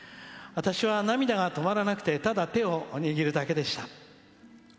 私は涙が止まらなくてただ手を握るだけでした。